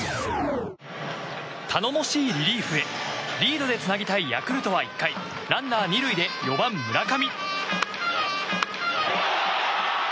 頼もしいリリーフへリードでつなぎたいヤクルトは１回ランナー２塁で４番、村上。